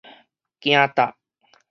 行貼